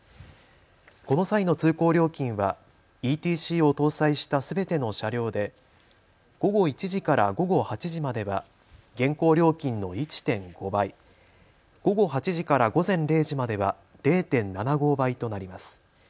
この際の通行料金はＥＴＣを搭載したすべての車両で午後１時から午後８時までは現行料金の１．５倍、午後８時から午前０時までは０．７５倍となります。